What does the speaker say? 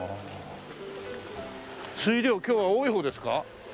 水量今日は多い方ですか？